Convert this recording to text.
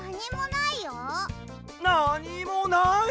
なにもない？